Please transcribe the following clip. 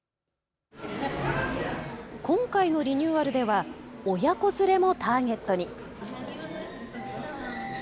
今回のリニューアルでは親子連れもターゲットに。